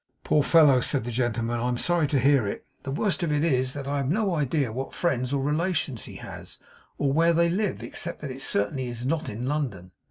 'Poor fellow!' said the gentleman, 'I am sorry to hear it. The worst of it is, that I have no idea what friends or relations he has, or where they live, except that it certainly is not in London.